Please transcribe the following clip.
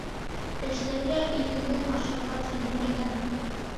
Эшләргә иренгән ашарға тилмергән.